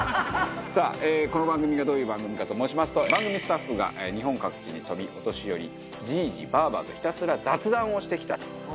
さあこの番組がどういう番組かと申しますと番組スタッフが日本各地に飛びお年寄りジージ・バーバとひたすら雑談をしてきた。